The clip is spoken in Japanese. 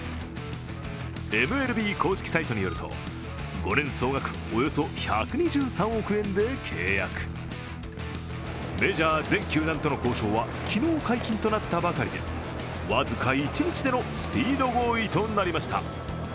ＭＬＢ公式サイトによると、５年総額およそ１２３億円で契約、メジャー全球団との交渉は昨日解禁となったばかりで、僅か一日でのスピード合意となりました。